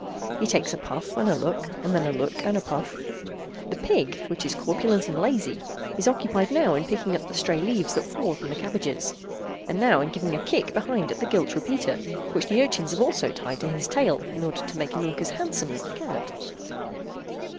He takes a puff and a look, and then a look and a puff. The pig—which is corpulent and lazy—is occupied now in picking up the stray leaves that fall from the cabbages, and now in giving a kick behind at the gilt repeater, which the urchins have also tied to his tail in order to make him look as handsome as the cat.